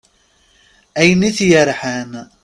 Ayen it-yerḥan.